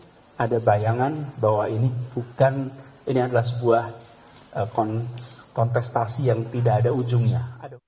tapi ada bayangan bahwa ini bukan ini adalah sebuah kontestasi yang tidak ada ujungnya